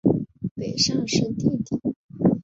北尚是弟弟。